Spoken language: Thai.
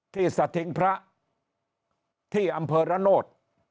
สถิงพระที่อำเภอระโนธ